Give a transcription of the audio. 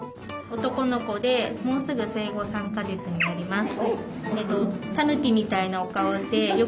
男の子でもうすぐ生後３か月になります。